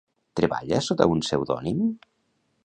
Treballa sota un pseudònim?